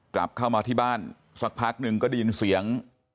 กลับเข้ามาที่บ้านสักพักหนึ่งก็ได้ยินเสียง